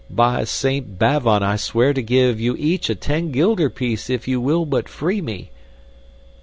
By Saint Bavon I swear to give you each a ten guilder piece if you will but free me!"